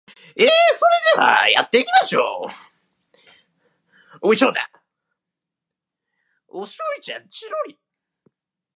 まず前襟、左組にかわったレシキです。